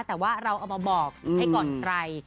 แต่ว่าเราเอามาบอกให้ก่อนใคร